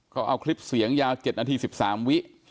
เขาเอาคลิปเสียงยาว๗นาที๑๓วิ